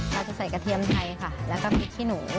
เราจะใส่กระเทียมไทยค่ะแล้วก็พริกขี้หนู